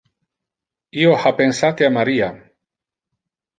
Io ha pensate a Maria.